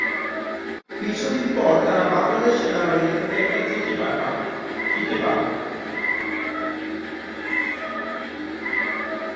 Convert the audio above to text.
কিছুদিন পর তারা বাংলাদেশ সেনাবাহিনী থেকে একটা চিঠি পান।